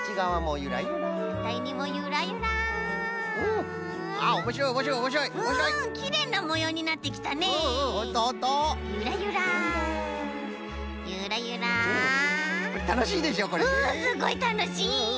うんすごいたのしい。